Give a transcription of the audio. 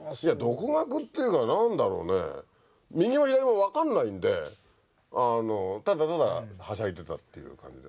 独学っていうか何だろうね右も左も分かんないんでただただはしゃいでたっていう感じですね。